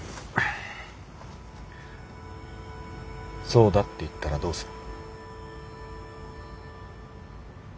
そうだって言ったらどうする？